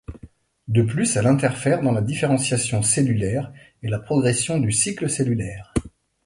De plus, elle interfère dans la différenciation cellulaire et la progression du cycle cellulaire.